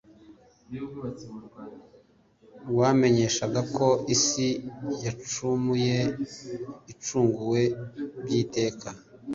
ryamenyeshaga ko isi yacumuye, icunguwe by'iteka,